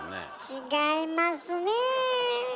違いますね。